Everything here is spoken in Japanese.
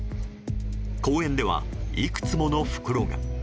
公園ではいくつもの袋が。